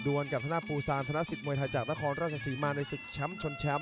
ดวนกับทนาภูสารทนาศิษย์มวยไทยจากนครราชสีมานในสิทธิ์แชมป์ชนแชมป์